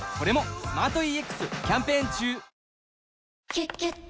「キュキュット」